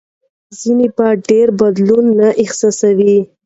ځینې بیا ډېر بدلون نه احساسوي.